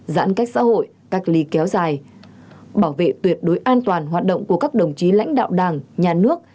giãn cách xã hội cách ly kéo dài bảo vệ tuyệt đối an toàn hoạt động của các đồng chí lãnh đạo đảng nhà nước